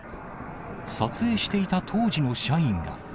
撮影していた当時の社員が。